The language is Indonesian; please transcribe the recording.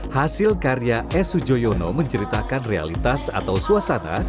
hasil karya e sujoyono menceritakan realitas atau suasana